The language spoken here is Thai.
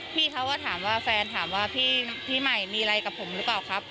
พี่เขาก็ถามว่าแฟนถามว่าพี่ใหม่มีอะไรกับผมหรือเปล่าครับ